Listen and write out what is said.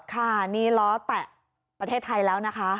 ค่ะนี่ล้อแตะประเทศไทยแล้วนะคะ